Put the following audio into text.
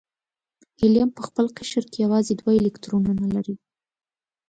هیلیم په خپل قشر کې یوازې دوه الکترونونه لري.